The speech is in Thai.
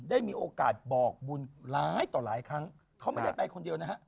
ได้มีโอกาสบอกบุญร้ายต่อหลายครั้งเขาไม่ได้ไปคนเดียวนะฮะ